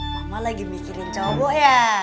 mama lagi mikirin cowok ya